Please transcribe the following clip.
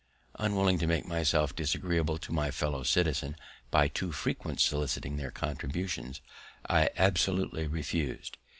Unwilling to make myself disagreeable to my fellow citizens by too frequently soliciting their contributions, I absolutely refus'd.